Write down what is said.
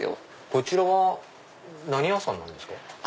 こちらは何屋さんなんですか？